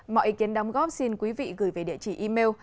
mọi ý kiến đóng góp xin quý vị gửi về địa chỉ email